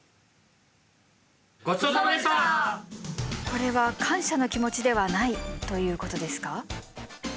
これは感謝の気持ちではないということですか？